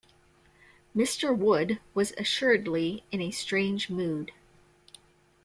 Mr. Wood was assuredly in a strange mood.